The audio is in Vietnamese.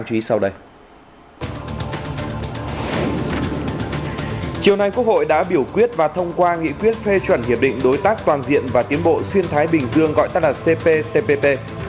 chiều nay quốc hội đã biểu quyết và thông qua nghị quyết phê chuẩn hiệp định đối tác toàn diện và tiến bộ xuyên thái bình dương gọi tắt là cptpp